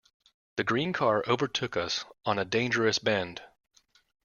The green car overtook us on a dangerous bend.